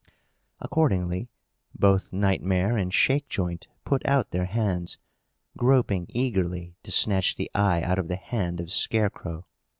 Accordingly, both Nightmare and Shakejoint put out their hands, groping eagerly to snatch the eye out of the hand of Scarecrow.